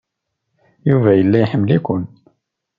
Yuba yella iḥemmel-iken.